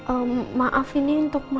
ehm maaf ini untuk mas